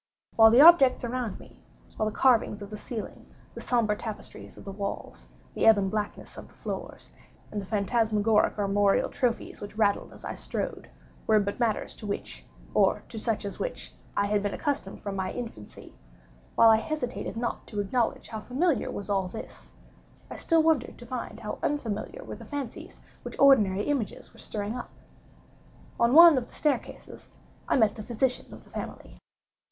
While the objects around me—while the carvings of the ceilings, the sombre tapestries of the walls, the ebon blackness of the floors, and the phantasmagoric armorial trophies which rattled as I strode, were but matters to which, or to such as which, I had been accustomed from my infancy—while I hesitated not to acknowledge how familiar was all this—I still wondered to find how unfamiliar were the fancies which ordinary images were stirring up. On one of the staircases, I met the physician of the family.